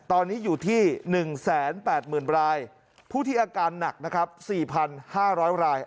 ตอนนี้อยู่ที่๑๘๐๐๐รายผู้ที่อาการหนักนะครับ๔๕๐๐ราย